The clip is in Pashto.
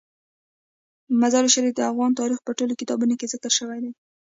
مزارشریف د افغان تاریخ په ټولو کتابونو کې ذکر شوی دی.